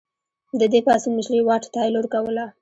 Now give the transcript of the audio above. د دې پاڅون مشري واټ تایلور کوله.